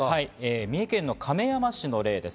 三重県亀山市の例です。